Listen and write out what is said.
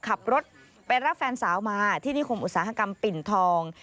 ขับรถไปรับแฟนสาวมาที่นิคมอุตสาหกรรมปิ่นทอง